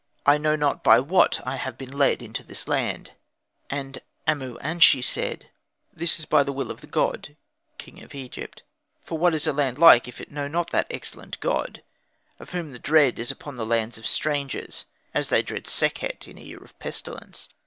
I know not by what I have been led into this land." And Amu an shi said, "This is by the will of the god (king of Egypt), for what is a land like if it know not that excellent god, of whom the dread is upon the lands of strangers, as they dread Sekhet in a year of pestilence."